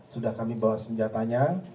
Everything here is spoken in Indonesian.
sudah kami bawa senjatanya